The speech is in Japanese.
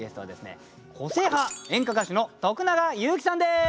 個性派演歌歌手の徳永ゆうきさんです。